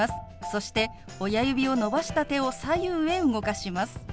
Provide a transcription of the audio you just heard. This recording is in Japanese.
そして親指を伸ばした手を左右へ動かします。